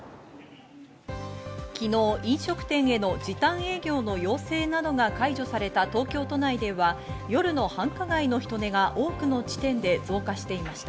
昨日、飲食店への時短営業の要請などが解除された東京都内では、夜の繁華街の人出が多くの地点で増加していました。